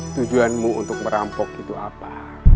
tujuanmu untuk merampok itu apa